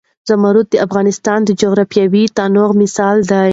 زمرد د افغانستان د جغرافیوي تنوع مثال دی.